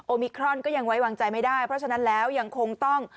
มิครอนก็ยังไว้วางใจไม่ได้เพราะฉะนั้นแล้วยังคงต้อง